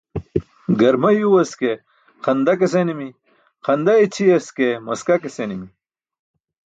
Garma yuywas ke xanda ke senimi, xanda i̇ćʰiyas ke maska ke senimi.